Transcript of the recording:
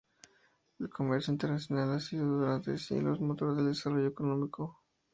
El comercio internacional ha sido durante siglos motor del desarrollo económico.